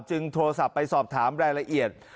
โทรศัพท์ไปสอบถามรายละเอียด